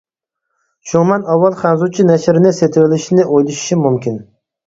شۇڭا مەن ئاۋۋال خەنزۇچە نەشرىنى سېتىۋېلىشنى ئويلىشىشىم مۇمكىن.